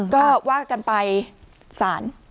ก็ว่ากันไปศาล